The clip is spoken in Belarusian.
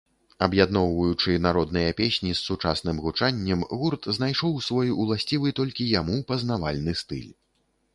Аб'ядноўваючы народныя песні з сучасным гучаннем, гурт знайшоў свой, уласцівы толькі яму, пазнавальны стыль.